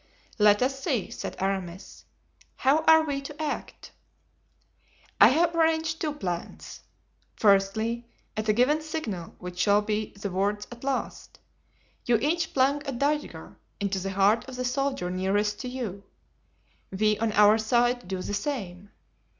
"Let us see," said Aramis, "how are we to act?" "I have arranged two plans. Firstly, at a given signal, which shall be the words 'At last,' you each plunge a dagger into the heart of the soldier nearest to you. We, on our side, do the same.